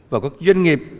và các doanh nghiệp